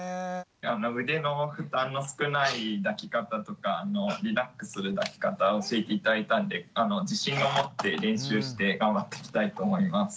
腕の負担の少ない抱き方とかリラックスする抱き方を教えて頂いたんで自信を持って練習して頑張っていきたいと思います。